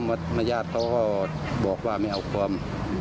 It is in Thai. ญาติเขาก็บอกว่าไม่เอาความ